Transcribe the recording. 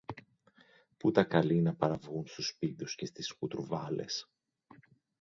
που τα καλεί να παραβγούν στους πήδους και στις κουτρουβάλες!